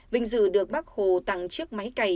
vinh dự được bác hồ tặng chiếc máy cày